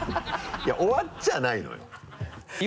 いや終わっちゃないのよ。